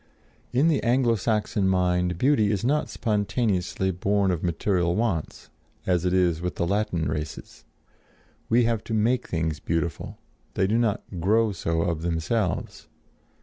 In the Anglo Saxon mind beauty is not spontaneously born of material wants, as it is with the Latin races. We have to make things beautiful; they do not grow so of themselves.